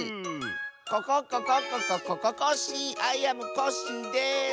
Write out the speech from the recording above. ココッココッコココココッシーアイアムコッシーです！